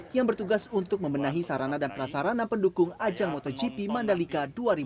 yang bertugas untuk membenahi sarana dan prasarana pendukung ajang motogp mandalika dua ribu dua puluh